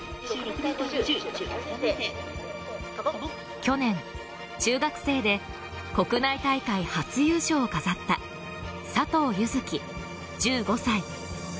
去年、中学生で国内大会初優勝を飾った佐藤柚月、１５歳。